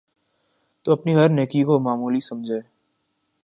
تو اپنی ہر نیکی کو معمولی سمجھے